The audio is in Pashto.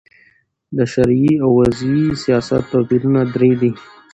د شرعې او وضي سیاست توپیرونه درې دي.